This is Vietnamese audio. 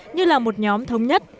như là một nhóm thống nhất